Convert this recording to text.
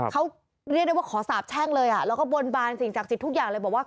เขาเรียกได้ว่าขอสาบแช่งเลยแล้วก็บนบานสิ่งศักดิ์สิทธิ์ทุกอย่างเลยบอกว่า